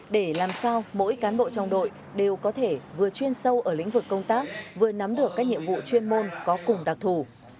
để làm sao mỗi cán bộ trong đội đều có thể vừa chuyên sâu ở lĩnh vực công tác vừa nắm được các nhiệm vụ chuyên môn có cùng đặc thù